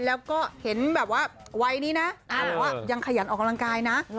แล้วก็เห็นแบบว่าวัยนี้นะอาบอกว่ายังขยันออกกำลังกายนะ